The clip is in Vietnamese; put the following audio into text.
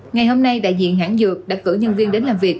ngày hôm nay đại diện hãng dược đã cử nhân viên đến làm việc